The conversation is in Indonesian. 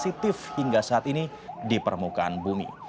positif hingga saat ini di permukaan bumi